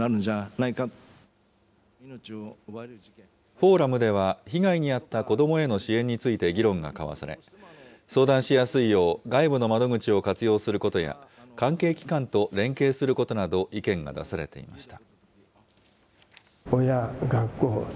フォーラムでは被害に遭った子どもへの支援について議論が交わされ、相談しやすいよう、外部の窓口を活用することや、関係機関と連携することなど、意見が出されていました。